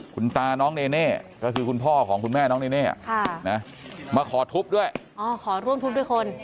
คุณตาน้องเนเน่ก็คือคุณพ่อของคุณแม่น้องเนเน่มาขอทุบด้วยขอร่วมทุบด้วยคน